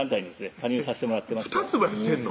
加入さしてもらってまして２つもやってんの？